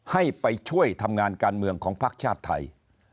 ให้ไปช่วยทำงานการเมืองของภักดิ์ชาติไทย